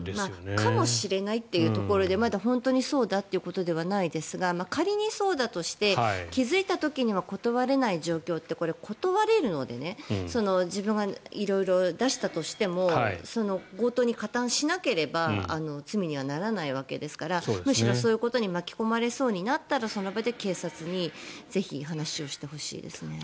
かもしれないっていうところでまだ本当にそうだということではないですが仮にそうだとして気付いた時には断れない状況ってこれ、断れるので自分が色々出したとしても強盗に加担しなければ罪にはならないわけですからむしろ、そういうことに巻き込まれそうになったらその場で警察にぜひ話をしてほしいですね。